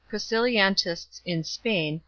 Priscillianists in Spain